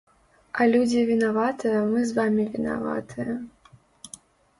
А людзі вінаватыя, мы з вамі вінаватыя.